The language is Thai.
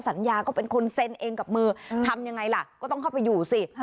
สัญญาก็เป็นคนเซ็นเองกับมือทำยังไงล่ะก็ต้องเข้าไปอยู่สิ